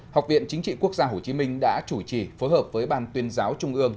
học viện chính trị quốc gia hồ chí minh đã chủ trì phối hợp với ban tuyên giáo trung ương